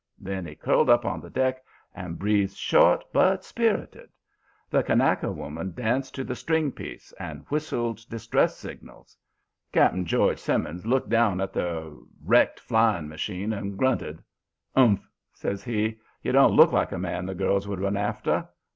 Then he curled up on the deck and breathed short but spirited. The Kanaka woman danced to the stringpiece and whistled distress signals. "Cap'n George Simmons looked down at the wrecked flying machine and grunted. "'Umph!' says he. 'You don't look like a man the girls would run after.